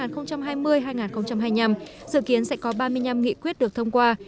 dự kiến sẽ có ba mươi năm nghị quyết được thông qua